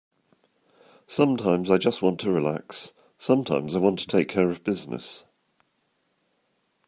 Sometimes I just want to relax, sometimes I want to take care of business.